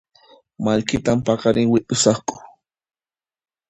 Mallkitan paqarin wit'usaqku